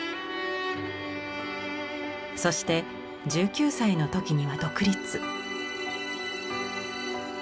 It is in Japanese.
そして１９歳の時には独立。